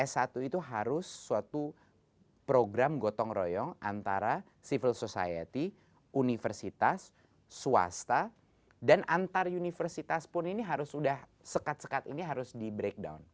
s satu itu harus suatu program gotong royong antara civil society universitas swasta dan antar universitas pun ini harus sudah sekat sekat ini harus di breakdown